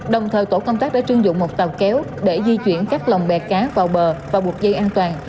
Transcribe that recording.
đồng thời tổ công tác đã chưng dụng một tàu kéo để di chuyển các lòng bè cá vào bờ và buộc dây an toàn